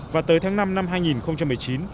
và tới tháng năm năm hai nghìn một mươi chín